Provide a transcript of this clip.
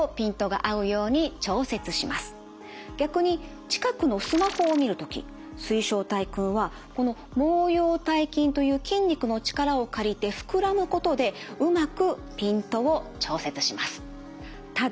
逆に近くのスマホを見る時水晶体くんはこの毛様体筋という筋肉の力を借りて膨らむことでうまくピントを調節します。